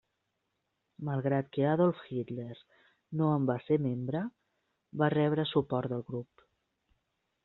Malgrat que Adolf Hitler no en va ser membre, va rebre suport del grup.